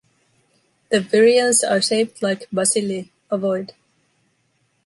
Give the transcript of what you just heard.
The virions are shaped like bacilli, ovoid.